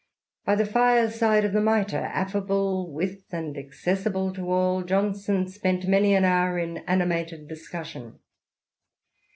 By the fireside of the Mitre, affable with and accessible to all, Johnson spent many an hour in animated discussion.